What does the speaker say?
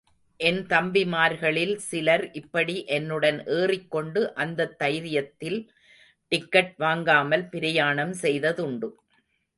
என் தம்பிமார்களில் சிலர் இப்படி என்னுடன் ஏறிக்கொண்டு அந்தத் தைரியத்தில் டிக்கட் வாங்காமல் பிரயாணம் செய்ததுண்டு.